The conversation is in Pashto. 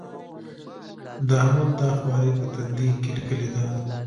د احمد دا خواري په تندي کې ليکلې ده.